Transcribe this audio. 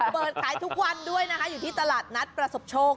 เปิดขายทุกวันด้วยนะคะอยู่ที่ตลาดนัดประสบโชค